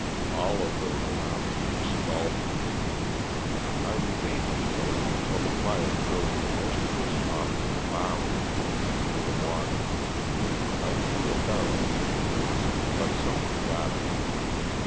All of those around me were scalded. I remained on the boat until the fire drove the most of us off of the bow of the boat into the water. I threw a barrel into the river, but some one got it.